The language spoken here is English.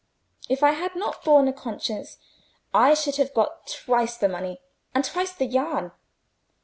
If I had not borne a conscience, I should have got twice the money and twice the yarn.